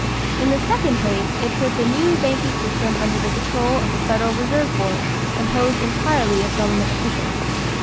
In the second place, it put the new banking system under the control of a federal reserve board composed entirely of government officials.